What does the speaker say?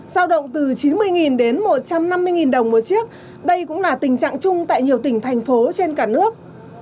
giao động từ chín mươi đến một trăm năm mươi đồng một chiếc đây cũng là tình trạng chung tại nhiều tỉnh thành phố trên cả nước